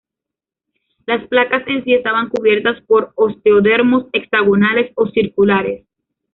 Las placas en sí estaban cubiertas por osteodermos hexagonales o circulares.